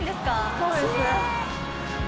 そうですね。